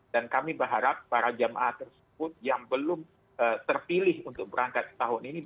dan kami berharap para jemaah tersebut yang belum terpilih untuk berangkat tahun ini